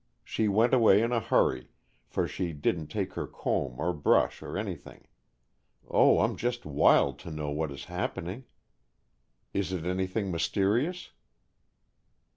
She went away in a hurry, for she didn't take her comb or brush or anything. Oh, I'm just wild to know what is happening. Is it anything mysterious?"